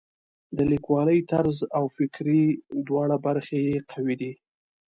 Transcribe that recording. د لیکوالۍ طرز او فکري دواړه برخې یې قوي دي.